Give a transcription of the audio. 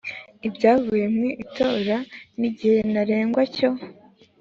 ibyavuye mu itora n igihe ntarengwa cyo